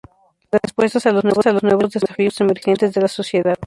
Las respuestas a los nuevos desafíos emergentes de la sociedad.